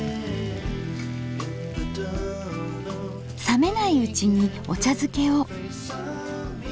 冷めないうちにお茶づけを。